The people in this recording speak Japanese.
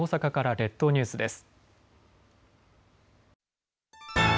列島ニュースです。